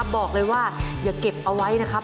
บอกเลยว่าอย่าเก็บเอาไว้นะครับ